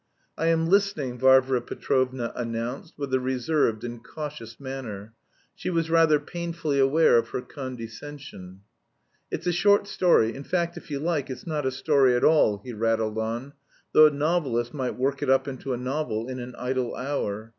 "I am listening," Varvara Petrovna announced with a reserved and cautious manner. She was rather painfully aware of her condescension. "It's a short story; in fact if you like it's not a story at all," he rattled on, "though a novelist might work it up into a novel in an idle hour.